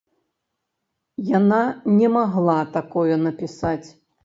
Яна не магла такое напісаць.